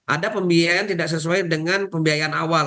ada pembiayaan tidak sesuai dengan pembiayaan awal